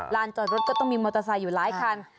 จอดรถก็ต้องมีมอเตอร์ไซค์อยู่หลายคัน